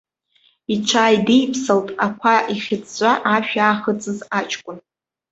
Иҽааидиԥсалт, ақәа ихьҵәҵәа ашә иаахыҵыз аҷкәын.